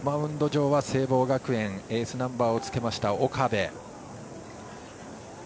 上は聖望学園エースナンバーをつけました岡部。